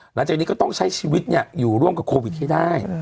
หลังจากนี้ก็ต้องใช้ชีวิตอยู่ร่วมกับโควิดให้ได้